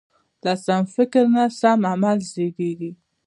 له سم فکر نه سم عمل زېږي.